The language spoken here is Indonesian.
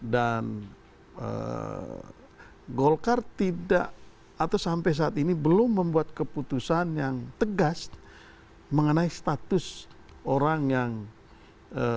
dan golkar tidak atau sampai saat ini belum membuat keputusan yang tegas mengenai status orang yang menjadi ketua golkar